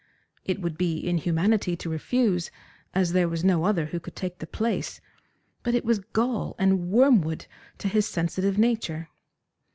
It would be inhumanity to refuse, as there was no other who could take the place, but it was gall and wormwood to his sensitive nature.